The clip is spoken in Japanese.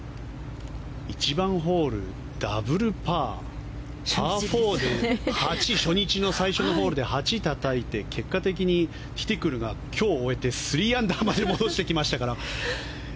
１番ホール、ダブルパーパー４で初日の最初のホールで８たたいて結果的に、ティティクルが今日終えて３アンダーまで戻してきましたから。